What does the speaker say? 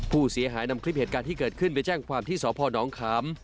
ผู้เสียหายนำคลิปเหตุการณ์ที่เกิดขึ้นไปแจ้งความที่สพนขาม